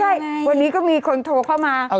ใช่วันนี้ก็มีคนโทรเข้ามา